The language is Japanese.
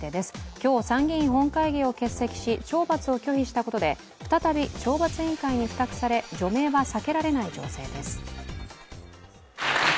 今日、参議院本会議を欠席し懲罰を拒否したことで再び懲罰委員会に付託され除名は避けられない情勢です。